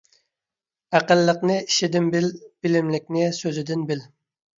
ئەقىللىقنى ئىشىدىن بىل، بىلىملىكنى سۆزىدىن بىل.